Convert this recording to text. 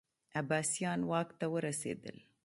عباسیان واک ته ورسېدل